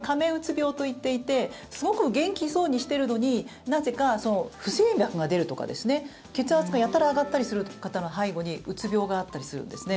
それを昔は仮面うつ病といっていてすごく元気そうにしているのになぜか不整脈が出るとか血圧がやたら上がったりする方の背後にうつ病があったりするんですね。